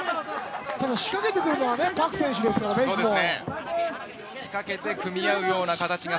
仕掛けてくるのはパク選手ですからね。